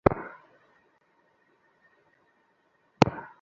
তিনি উদয়নের লক্ষণাবলি, গণেশ উপাধ্যায়ের তত্ত্বচিন্তামণি ও তার টীকাগুলি পড়েন।